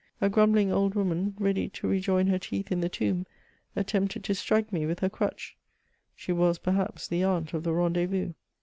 A grumbling old woman, ready to rejoin her teeth in the tomb, attempted to strike me witli her crutch ; she was, perhaps, the aunt of the rendezvous.